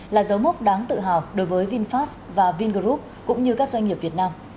là dấu mốc đáng tự hào đối với vinfast và vingroup cũng như các doanh nghiệp việt nam